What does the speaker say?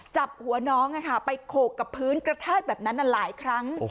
จับหัวน้องไปโขกกับพื้นกระแทกแบบนั้นหลายครั้ง